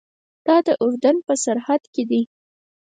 دا د اردن په سرحد کې دی.